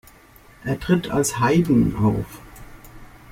Er tritt als "Hayden" auf.